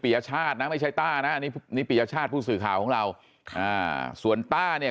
ยชาตินะไม่ใช่ต้านะอันนี้ปียชาติผู้สื่อข่าวของเราส่วนต้าเนี่ย